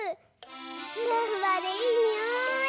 ふわふわでいいにおい！